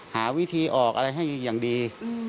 หาวิธีออกอะไรให้อย่างดี